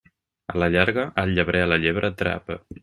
A la llarga, el llebrer a la llebre atrapa.